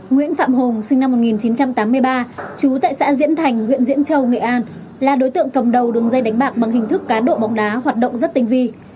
nguyễn phạm hùng sinh năm một nghìn chín trăm tám mươi ba trú tại xã diễn thành huyện diễn châu nghệ an là đối tượng cầm đầu đường dây đánh bạc bằng hình thức cá độ bóng đá hoạt động rất tinh vi